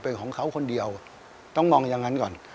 เป็นของเขาคนเดียวต้องมองอย่างนั้นก่อน